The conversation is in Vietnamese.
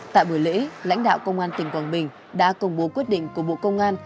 tại buổi lễ lãnh đạo công an tỉnh quảng bình đã công bố quyết định của bộ công an